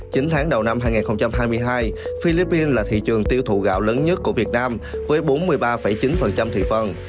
chín tháng đầu năm hai nghìn hai mươi hai philippines là thị trường tiêu thụ gạo lớn nhất của việt nam với bốn mươi ba chín thị phần